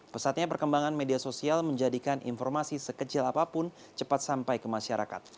pesatnya perkembangan media sosial menjadikan informasi sekecil apapun cepat sampai ke masyarakat